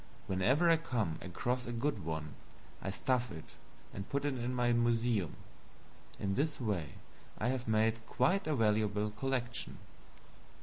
Whenever I come across a good one, I stuff it and put it in my museum. In this way I have made quite a valuable collection.